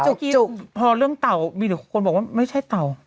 จุกพอเรื่องเต่ามีแต่คนบอกว่าไม่ใช่เต่า